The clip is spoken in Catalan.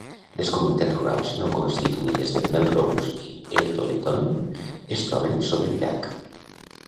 Les comunitats rurals no constituïdes de Melrose i Earleton es troben sobre el llac.